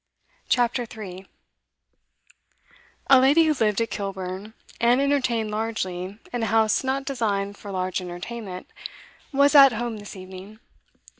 CHAPTER 3 A lady who lived at Kilburn, and entertained largely in a house not designed for large entertainment, was 'at home' this evening.